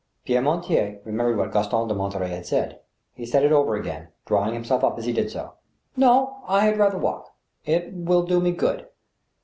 Pierre Mortier remembered what Gaston de Monterey had said. He said it over again, drawing himself up as he did so. " No ; I had rather walk. It will do me good."